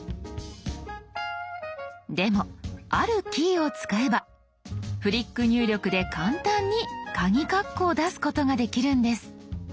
でもあるキーを使えばフリック入力で簡単にカギカッコを出すことができるんです。